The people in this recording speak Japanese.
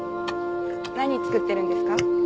何作ってるんですか？